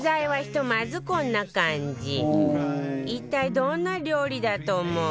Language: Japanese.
一体どんな料理だと思う？